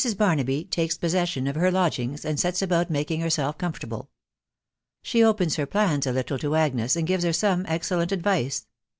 BARNABY TAKES POSSESSION OF HKR LODGINGS, AND UTS ABOUT MAKING HERSELF COMFORTABLE. SHE OPENS HKR PLANS A LITTLE TO AGNES, AND GIVES HER SOME EXCELLENT ADVICE.